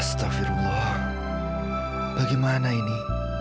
astagfirullah bagaimana ini